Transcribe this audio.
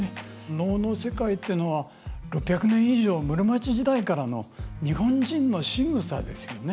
能の世界っていうのは６００年以上、室町時代からの日本人のしぐさですよね。